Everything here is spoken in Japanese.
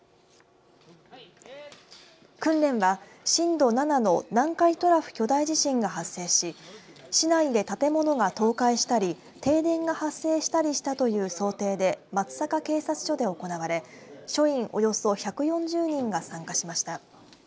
訓練は震度７の南海トラフ巨大地震が発生し市内で建物が倒壊したり停電が発生したりしたという想定で松阪警察署で行われ署員およそ１４０人が参加しました。